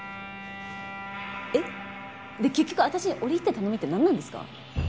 えっ？で結局私に折り入って頼みってなんなんですか？